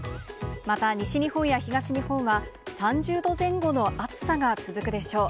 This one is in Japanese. また西日本や東日本は、３０度前後の暑さが続くでしょう。